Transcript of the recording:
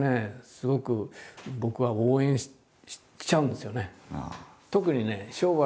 すごく僕は応援しちゃうんですよね。